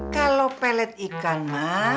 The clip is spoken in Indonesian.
kalo pelet ikan mak